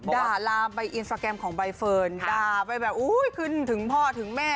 ลามไปอินสตราแกรมของใบเฟิร์นด่าไปแบบอุ้ยขึ้นถึงพ่อถึงแม่